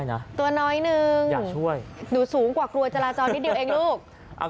อยากช่วยตัวน้อยนึงหนูสูงกว่ากลัวจราจอบนิดเดียวเองลูก